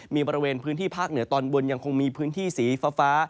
มีบริเวณพื้นที่ภาคเหนือตอนบนยังคงมีพื้นที่สีฟ้า